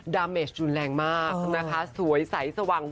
ดาเมชรุนแรงมากนะคะสวยใสสว่าง